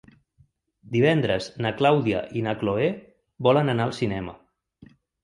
Divendres na Clàudia i na Cloè volen anar al cinema.